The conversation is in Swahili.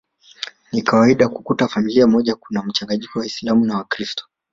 Ni kawaida kukuta familia moja kuna mchanganyiko wa waislamu na wakiristo